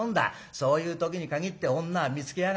そういう時に限って女は見つけやがってね。